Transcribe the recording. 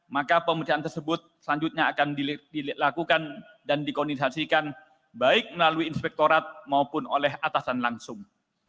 maka pemeriksaan tersebut selanjutnya akan dilakukan dan dikonisasikan baik melalui inspektorat maupun oleh atasan langsung